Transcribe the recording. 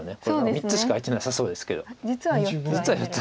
３つしか空いてなさそうですけど実は４つ空いてるという。